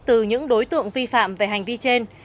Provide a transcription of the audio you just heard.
từ những đối tượng vi phạm về hành vi trên